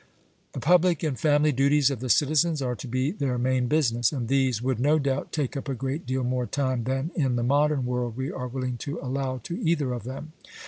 The public and family duties of the citizens are to be their main business, and these would, no doubt, take up a great deal more time than in the modern world we are willing to allow to either of them.